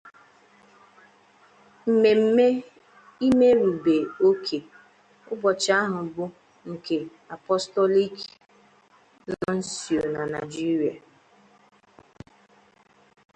Mmemme imerùbè oke ụbọchị ahụ bụ nke 'Apostolic Nuncio' na Nigeria